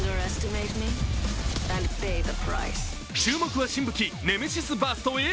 注目は新武器ネメシスバーストＡＲ。